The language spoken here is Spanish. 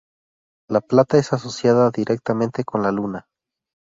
La plata es asociada directamente con la Luna.